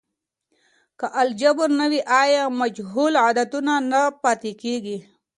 که الجبر نه وي، آیا مجهول عددونه نه پاتیږي؟